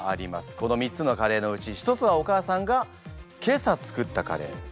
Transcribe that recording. この３つのカレーのうち１つはお母さんが今朝作ったカレー。